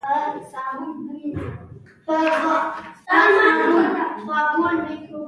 خټکی له پټې خبرې نه ډار نه لري.